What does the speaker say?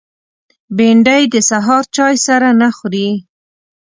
بېنډۍ د سهار چای سره نه خوري